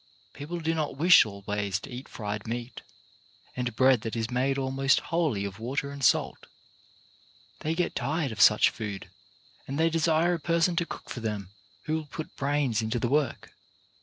People do not wish always to eat fried meat, and bread that is 126 CHARACTER BUILDING made almost wholly of water and salt. They get tired of such food, and they desire a person to cook for them who will put brains into the work.